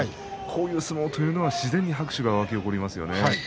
こういう相撲というのは自然と拍手が沸き起こりますよね。